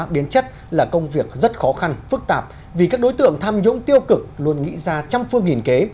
biến chất là công việc rất khó khăn phức tạp vì các đối tượng tham nhũng tiêu cực luôn nghĩ ra trăm phương hình kế